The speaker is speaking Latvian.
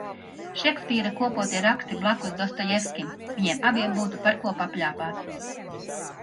Šekspīra kopotie raksti blakus Dostojevskim, viņiem abiem būtu par ko papļāpāt.